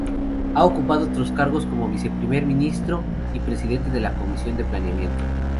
Ha ocupado otros cargos, como viceprimer ministro y Presidente de la Comisión de Planeamiento.